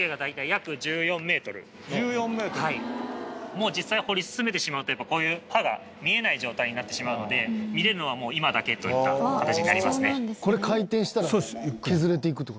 もう実際掘り進めてしまうとやっぱこういう刃が見えない状態になってしまうので見れるのはもう今だけといった形になりますね。